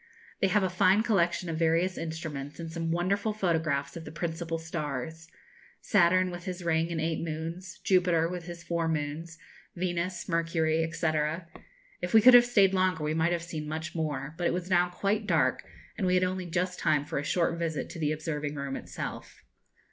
They have a fine collection of various instruments and some wonderful photographs of the principal stars Saturn, with his ring and eight moons, Jupiter, with his four moons, Venus, Mercury, &c. If we could have stayed longer we might have seen much more; but it was now quite dark, and we had only just time for a short visit to the observing room itself.